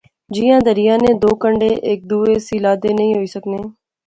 جیاں دریا نے دو کنڈے ہیک دوے سے لادے نئیں ہوئی سکنے